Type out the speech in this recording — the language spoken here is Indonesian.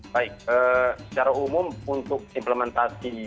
baik secara umum untuk implementasi